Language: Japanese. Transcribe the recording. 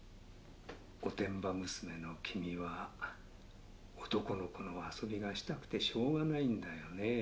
「おてんば娘の君は男の子の遊びがしたくてしょうがないんだよね？」